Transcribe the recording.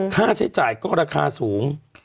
ค่าใช้จ่ายก็ราคาสูง